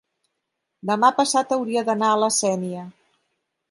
demà passat hauria d'anar a la Sénia.